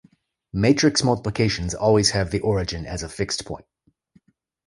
Matrix multiplications "always" have the origin as a fixed point.